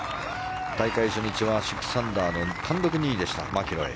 大会初日は６アンダーの単独２位でした、マキロイ。